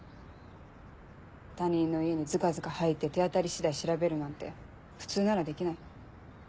他人の家にずかずか入って手当たり次第調べるなんて普通ならできない。